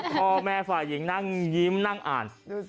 พ่อแม่ฝ่ายหญิงนั่งยิ้มนั่งอ่าน